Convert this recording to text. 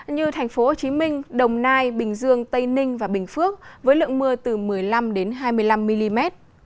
như tp hcm đồng nai bình dương tây ninh và bình phước với lượng mưa từ một mươi năm hai mươi năm mm